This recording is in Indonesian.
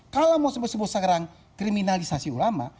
kalau mau sebut sebut sekarang kriminalisasi ulama